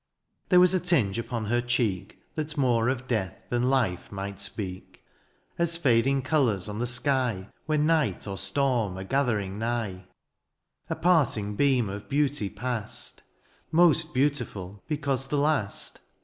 There was a tinge upon her cheek That more of death than life might speak ; As fading colours on the sky^, When night or storm^ are gathering nigh ; A parting beam of beauty past — Most beautiful^ because the last.